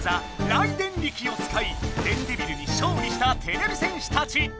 「ライデンリキ」をつかい電デビルにしょうりしたてれび戦士たち。